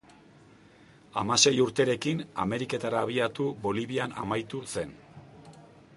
Hamasei urterekin Ameriketara abiatu Bolivian amaitu zen.